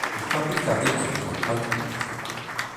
Il fabbricato è chiuso al pubblico.